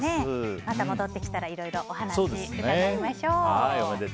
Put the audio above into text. また戻ってきたらいろいろお話伺いましょう。